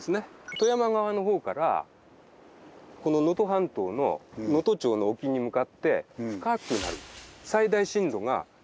富山側のほうからこの能登半島の能登町の沖に向かって深くなる。